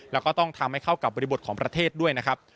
แล้วก็ต้องทำให้เข้ากับบริบทของประเทศด้วยนะครับ